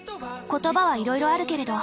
言葉はいろいろあるけれど。